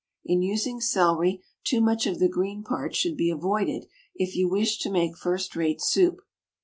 In using celery, too much of the green part should be avoided if you wish to make first rate soup.